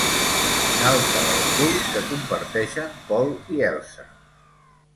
Galta del cul que comparteixen Paul i Elsa.